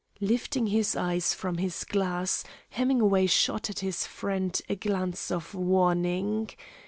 Lifting his eyes from his glass, Hemingway shot at his friend a glance of warning.